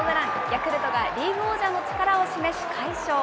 ヤクルトがリーグ王者の力を示し快勝。